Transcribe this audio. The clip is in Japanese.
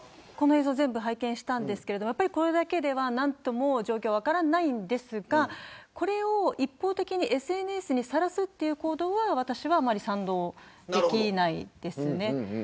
映像を全部、拝見しましたがこれだけでは何とも状況は分かりませんがこれを一方的にＳＮＳにさらすという行動は私は、あまり賛同できないです。